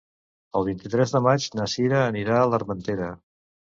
El vint-i-tres de maig na Sira anirà a l'Armentera.